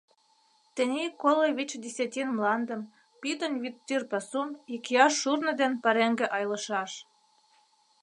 Тений коло вич десятин мландым, пӱтынь Вӱдтӱр пасум, икияш шурно ден пареҥге айлышаш.